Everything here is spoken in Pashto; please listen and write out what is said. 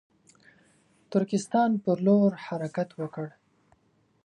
ترکستان پر لور حرکت وکړ.